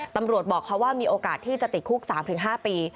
ตำรวจบอกเขาว่ามีโอกาสที่จะติดคุก๓๕ปี